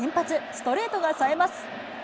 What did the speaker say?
ストレートがさえます。